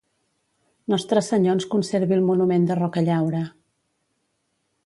Nostre Senyor ens conservi el monument de Rocallaura.